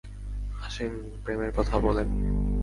আসেন, প্রেমের সাথে কথা বলেন।